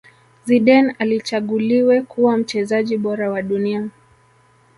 Zidane alichaguliwe kuwa mchezaji bora wa dunia